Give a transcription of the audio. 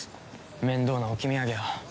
面倒な置き土産を。